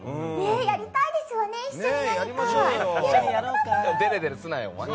やりたいでしょうね、一緒に。